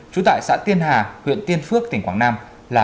trú tại xã tiên hà huyện tiên phước tỉnh quảng nam là